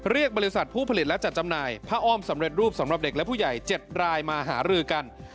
เรียกบริษัทผู้ผลิตและจัดจำหน่ายผ้าอ้อมสำเร็จรูปสำหรับเด็กและผู้ใหญ่๗รายมาหารือกัน